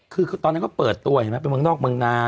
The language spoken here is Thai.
คือตอนนั้นเขาเปิดตัวเห็นไหมเป็นเมืองนอกเมืองนา